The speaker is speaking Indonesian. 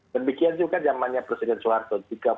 dan begitu juga zamannya presiden soeharto